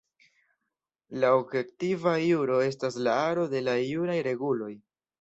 La objektiva juro estas la aro de la juraj reguloj.